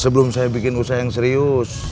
sebelum saya bikin usaha yang serius